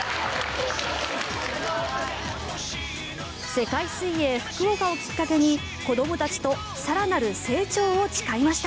世界水泳・福岡をきっかけに子どもたちと更なる成長を誓いました。